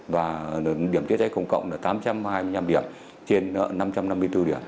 và điểm chữa cháy công cộng là tám trăm hai mươi năm điểm trên năm trăm năm mươi bốn điểm